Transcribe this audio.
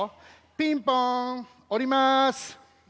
ピンポンおります。